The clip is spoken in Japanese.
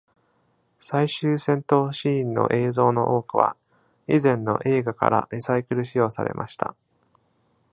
最終戦闘シーンの映像の多くは、以前の映画からリサイクル使用されました。